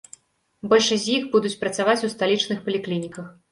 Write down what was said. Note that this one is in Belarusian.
Большасць з іх будуць працаваць у сталічных паліклініках.